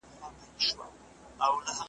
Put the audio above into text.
چي قبر ته راځې زما به پر شناخته وي لیکلي ,